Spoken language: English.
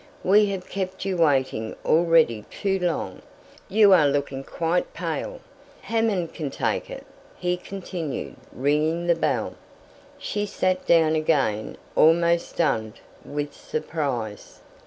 "We have kept you waiting already too long; you are looking quite pale. Hammond can take it," he continued, ringing the bell. She sate down again, almost stunned with surprise.